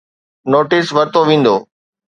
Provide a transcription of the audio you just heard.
Notice ورتو ويندو.